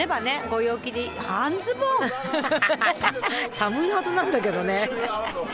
寒いはずなんだけどね。